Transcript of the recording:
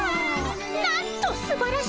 なんとすばらしい！